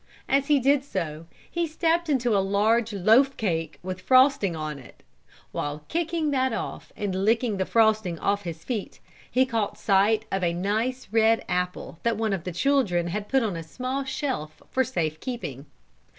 As he did so, he stepped into a large loaf cake with frosting on it. While kicking that off, and licking the frosting off his feet, he caught sight of a nice red apple that one of the children had put on a small shelf for safe keeping.